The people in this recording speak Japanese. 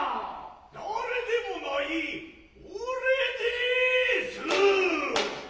誰でもない俺でえす。